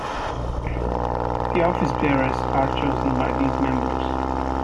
The office-bearers are chosen by these members.